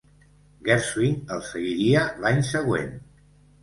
Gershwin el seguiria l'any següent.